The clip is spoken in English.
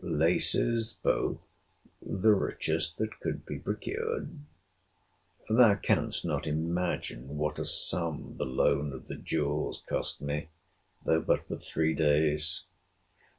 Laces both, the richest that could be procured. Thou canst not imagine what a sum the loan of the jewels cost me, though but for three days.